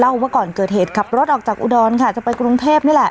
ว่าก่อนเกิดเหตุขับรถออกจากอุดรค่ะจะไปกรุงเทพนี่แหละ